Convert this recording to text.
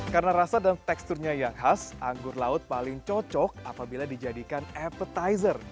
karena rasa dan teksturnya yang khas anggur laut paling cocok apabila dijadikan appetizer